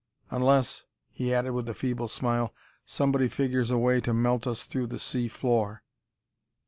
Unless," he added with a feeble smile, "somebody figures a way to melt us through the sea floor...."